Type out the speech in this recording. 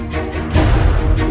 aku mau pergi